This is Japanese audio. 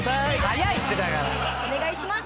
お願いします！